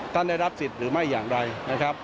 ได้รับสิทธิ์หรือไม่อย่างไรนะครับ